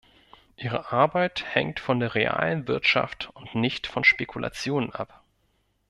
Ihre Arbeit hängt von der realen Wirtschaft und nicht von Spekulationen ab.